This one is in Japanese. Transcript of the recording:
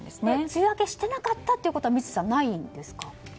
梅雨明けしていなかったということはないんですか？